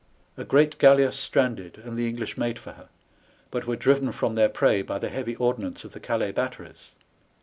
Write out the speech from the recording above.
A great galleas stranded, and the English made for her, but were driven from then: prey by the heavy ordnance of the Calais batteries.